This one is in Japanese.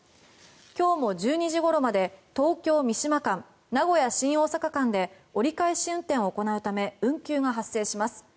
今日も１２時ごろまで東京三島間名古屋新大阪間で折り返し運転を行うため運休が発生します。